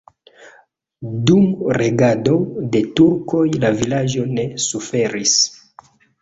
Dum regado de turkoj la vilaĝo ne suferis.